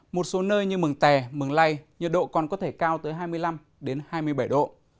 một số nơi như mường tè mường lây nhiệt độ còn có thể cao tới hai mươi năm đến hai mươi bảy độ